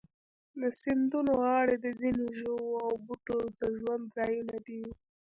د سیندونو غاړې د ځینو ژوو او بوټو د ژوند ځایونه دي.